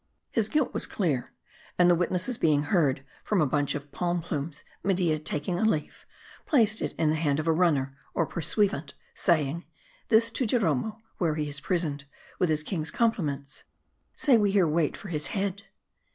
His guilt was clear. And the witnesses being heard, from a bunch of palm plumes Media taking a leaf, placed it in the hand of a runner or pursuivant, saying, " This to Jiromo, where he is prisoned ; with his king's compliments ; say we here wait for his head."